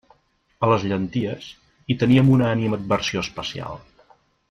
A les llenties, hi teníem una animadversió especial.